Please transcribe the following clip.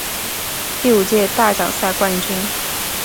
第五届大奖赛冠军。